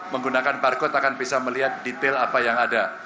menggunakan barcode akan bisa melihat detail apa yang ada